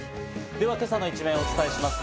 では、今朝の一面お伝えします。